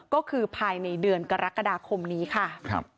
ก็คือภายในเดือนกรกฎาคมนี้ค่ะ